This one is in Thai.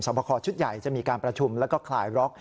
ประคอชุดใหญ่จะมีการประชุมแล้วก็คลายล็อก